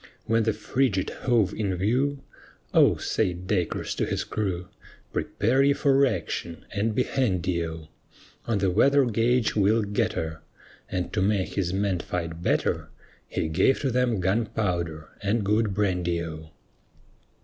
When the frigate hove in view, "O," said Dacres to his crew, "Prepare ye for action and be handy O; On the weather gauge we'll get her." And to make his men fight better, He gave to them gunpowder and good brandy O.